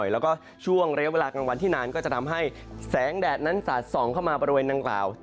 แล้วก็ช่วงระยะเวลากลางวันที่นานก็จะทำให้แสงแดดนั้นสาดส่องเข้ามาบริเวณดังกล่าว